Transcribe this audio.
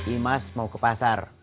imas mau ke pasar